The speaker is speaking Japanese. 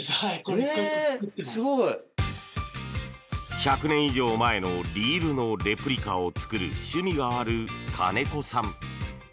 １００年以上前のリールのレプリカを作る趣味がある、金子さん。